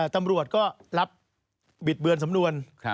ตำรวจก็รับบิดเบือนสำนวน